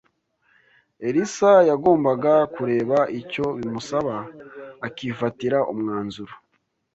Elisa yagombaga kureba icyo bimusaba akifatira umwanzuro